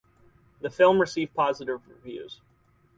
The film received Positive Reviews.